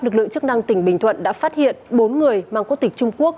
lực lượng chức năng tỉnh bình thuận đã phát hiện bốn người mang quốc tịch trung quốc